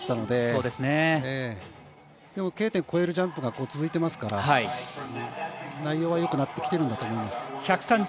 でもＫ点を越えるジャンプが続いていますから内容は良くなってきているんだと思います。